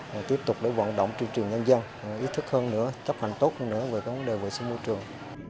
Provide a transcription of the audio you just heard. và tiếp tục để vận động truyền truyền nhân dân ý thức hơn nữa chấp hành tốt hơn nữa về các vấn đề vệ sinh môi trường